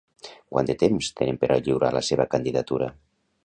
Quant de temps tenen per a lliurar la seva candidatura?